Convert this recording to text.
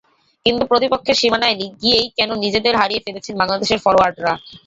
কিন্তু প্রতিপক্ষের সীমানায় গিয়েই কেন যেন নিজেদের হারিয়ে ফেলেছেন বাংলাদেশের ফরোয়ার্ডরা।